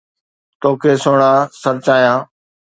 توکي سھڻا سرچايان